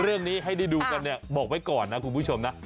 เรื่องนี้ให้ได้ดูกันเนี่ยบอกไว้ก่อนนะคุณผู้ชมนะ